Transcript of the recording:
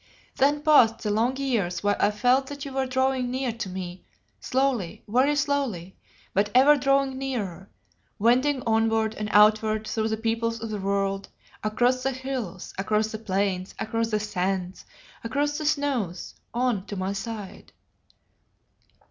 "Then passed the long years while I felt that you were drawing near to me, slowly, very slowly, but ever drawing nearer, wending onward and outward through the peoples of the world; across the hills, across the plains, across the sands, across the snows, on to my side.